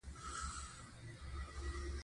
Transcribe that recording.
نورستان د افغانستان د امنیت په اړه هم اغېز لري.